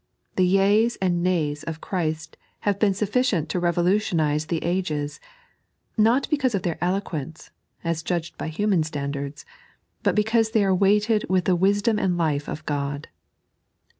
The yeas and nays of Christ have been sufiicient to revolutionize the ages, not because of their eloquence (as judged by human standards), but be cause they are weighted with the wisdom and life of God.